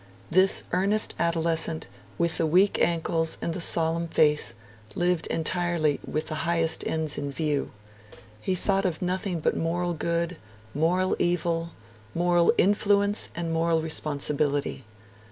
This earnest adolescent, with the weak ankles and the solemn face, lived entirely with the highest ends in view. He thought of nothing but moral good, moral evil, moral influence, and moral responsibility.